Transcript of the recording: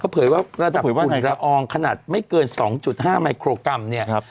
เขาเผยว่าระดับกุ่นละอองขนาดไม่เกิน๒๕มิโครกรัม